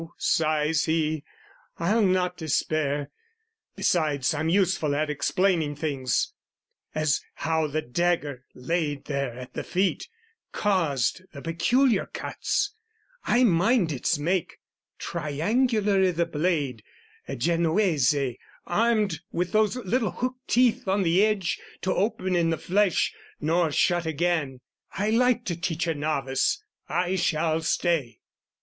sighs he. "I'll not despair: "Beside I'm useful at explaining things "As, how the dagger laid there at the feet, "Caused the peculiar cuts; I mind its make, "Triangular i' the blade, a Genoese, "Armed with those little hook teeth on the edge "To open in the flesh nor shut again: "I like to teach a novice: I shall stay!"